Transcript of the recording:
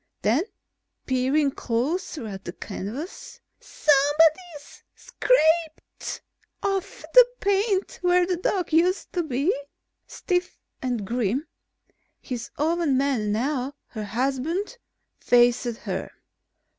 Then, peering closer at the canvas: "Somebody's scraped off the paint where the dog used to be." Stiff and grim, his own man now, her husband faced her.